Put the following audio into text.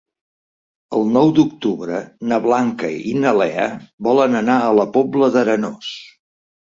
El nou d'octubre na Blanca i na Lea volen anar a la Pobla d'Arenós.